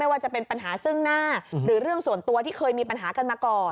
ว่าจะเป็นปัญหาซึ่งหน้าหรือเรื่องส่วนตัวที่เคยมีปัญหากันมาก่อน